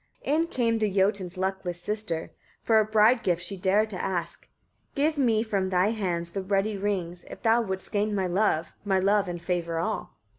30. In came the Jotun's luckless sister, for a bride gift she dared to ask: "Give me from thy hands the ruddy rings, if thou wouldst gain my love, my love and favour all."